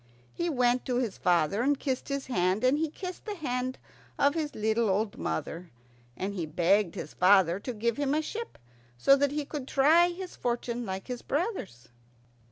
He went to his father and kissed his hand, and he kissed the hand of his little old mother, and he begged his father to give him a ship so that he could try his fortune like his brothers.